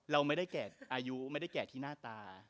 เราไม่ได้แก่อายุไม่ได้แก่ที่หน้าตา